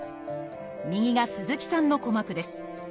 右が鈴木さんの鼓膜です。